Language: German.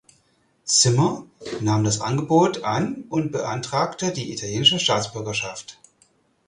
Zimmer nahm das Angebot an und beantragte die italienische Staatsbürgerschaft.